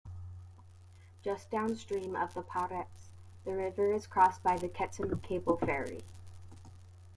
Just downstream of Paretz, the river is crossed by the Ketzin Cable Ferry.